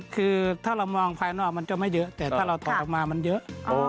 คือถ้าเรามองภายนอกมันจะไม่เยอะแต่ถ้าเราถอดออกมามันเยอะ